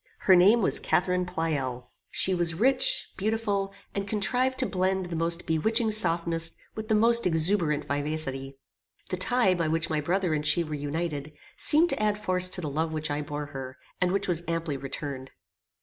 Her name was Catharine Pleyel. She was rich, beautiful, and contrived to blend the most bewitching softness with the most exuberant vivacity. The tie by which my brother and she were united, seemed to add force to the love which I bore her, and which was amply returned.